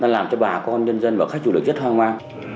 làm cho bà con nhân dân và khách chủ được rất hoang hoang